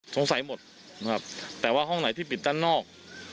สงสัยหมดนะครับแต่ว่าห้องไหนที่ปิดด้านนอก